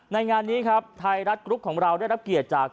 งานนี้ครับไทยรัฐกรุ๊ปของเราได้รับเกียรติจาก